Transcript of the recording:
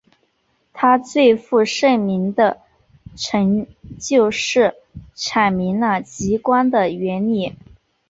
他最负盛名的成就是阐明了极光的原理。